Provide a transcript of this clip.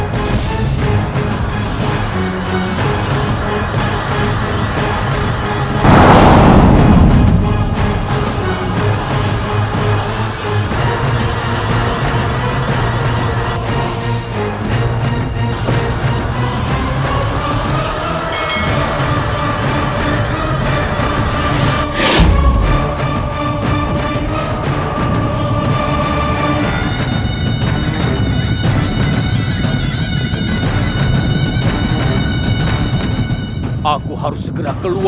rasul allah bernama qasimichai akan mengembangkan kamu bersama vish tee sai dan sewju